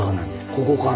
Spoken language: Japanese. ここから？